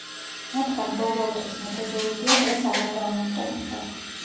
მათგან ბოლო ოთხის მეთოდოლოგია დღეს აღარ გამოიყენება.